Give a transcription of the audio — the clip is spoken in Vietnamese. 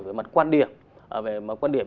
về mặt quan điểm